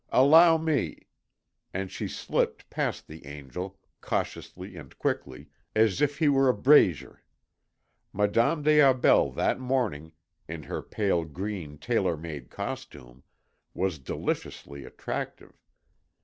Allow me...." And she slipped past the angel, cautiously and quickly, as if he were a brazier. Madame des Aubels that morning, in her pale green tailor made costume, was deliciously attractive.